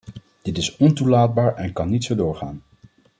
Dit is ontoelaatbaar en kan niet zo doorgaan.